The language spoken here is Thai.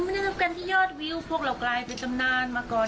ไม่ได้รับการที่ยอดวิวพวกเรากลายเป็นตำนานมาก่อน